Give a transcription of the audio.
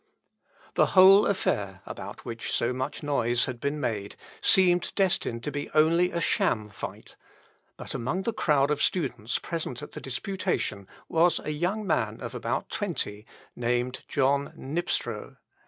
The whole affair, about which so much noise had been made, seemed destined to be only a sham fight; but among the crowd of students present at the disputation was a young man of about twenty, named John Knipstrow.